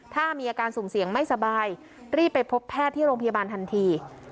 ถ้ามีอาการสุ่มเสี่ยงไม่สบายรีบไปพบแพทย์ที่โรงพยาบาลทันที